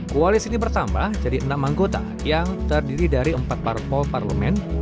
koalisi ini bertambah jadi enam anggota yang terdiri dari empat parpol parlemen